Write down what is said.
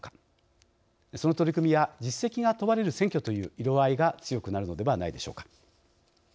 その取り組みや実績が問われる選挙という色合いが強くなるのではないでしょうか。